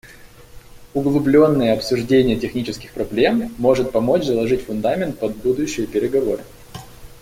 Углубленное обсуждение технических проблем может помочь заложить фундамент под будущие переговоры.